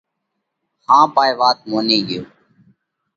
ۿاپ هائي وات موني ڳيو۔